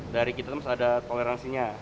dari kita terus ada toleransinya